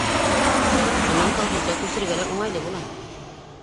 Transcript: Шунан колхозға күсергә лә уңайлы була.